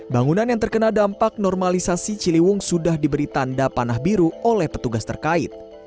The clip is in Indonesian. bangunan yang terkena dampak normalisasi ciliwung sudah diberi tanda panah biru oleh petugas terkait